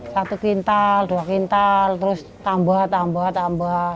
satu kintal dua kintal terus tambah tambah tambah tambah